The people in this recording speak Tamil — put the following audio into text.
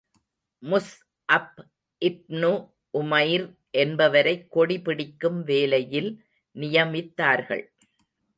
முஸ்அப் இப்னு உமைர் என்பவரைக் கொடி பிடிக்கும் வேலையில் நியமித்தார்கள்.